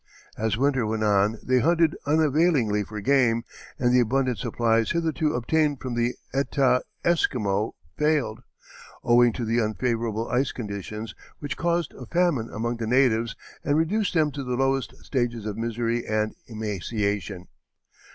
As winter went on they hunted unavailingly for game, and the abundant supplies hitherto obtained from the Etah Esquimaux failed, owing to the unfavorable ice conditions, which caused a famine among the natives and reduced them to the lowest stages of misery and emaciation.